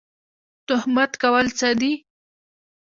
تهمت کول څه دي؟